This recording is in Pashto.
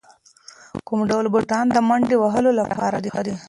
کوم ډول بوټان د منډې وهلو لپاره ښه دي؟